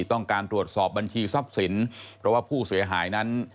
ต้องการตรวจสอบบัญชีทรัพย์สินเพราะว่าผู้เสียหายนั้น